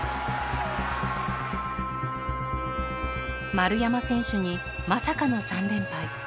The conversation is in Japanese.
丸山選手にまさかの３連敗。